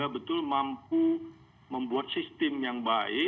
dan kemudian mampu mengambil langkah langkah berurutan yang konsisten untuk waktu yang cukup lama